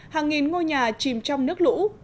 hàng nghìn ngôi nhà chìm trong nước lũ